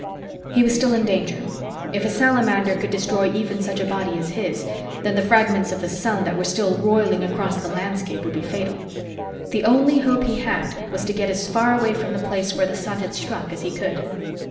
He was still in danger. If a salamander could destroy even such a body as his, then the fragments of sun that were still roiling across the landscape would be fatal. The only hope he had was to get as far away from the place where the sun had struck as he could.